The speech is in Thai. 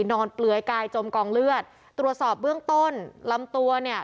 เปลือยกายจมกองเลือดตรวจสอบเบื้องต้นลำตัวเนี่ย